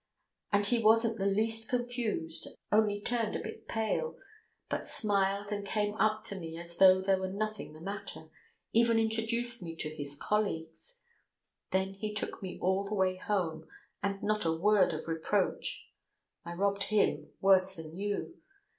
And he wasn't the least confused, only turned a bit pale, but smiled and came up to me as though there were nothing the matter, even introduced me to his colleagues. Then he took me all the way home, and not a word of reproach. I rob him worse than you.